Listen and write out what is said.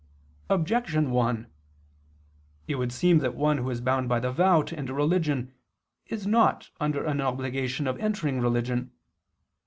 Objection 1: It would seem that one who is bound by the vow to enter religion is not under an obligation of entering religion.